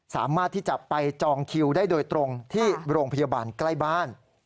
สามารถที่จะไปจองคิวได้โดยตรงที่โรงพยาบาลใกล้บ้าน